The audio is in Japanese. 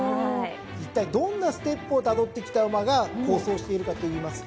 いったいどんなステップをたどってきた馬が好走しているかといいますと。